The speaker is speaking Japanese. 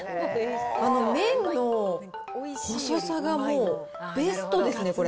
麺の細さがもう、ベストですね、これ。